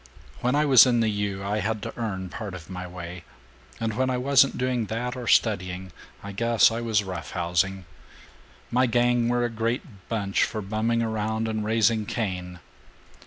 When I was in the U., I had to earn part of my way, and when I wasn't doing that or studying, I guess I was roughhousing. My gang were a great bunch for bumming around and raising Cain.